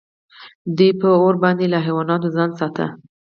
دوی به په اور باندې له حیواناتو ځان ساته.